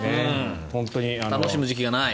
楽しむ時期がない。